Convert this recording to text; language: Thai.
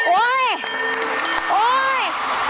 โอ๊ยโอ๊ย